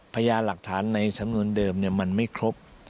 พยายามหลักฐานในสำนวนเดิมมันไม่ครบ